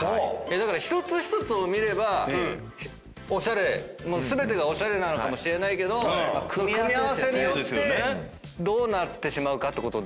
だから一つ一つを見ればおしゃれもう全てがおしゃれなのかもしれないけど組み合わせによってどうなってしまうかってこと。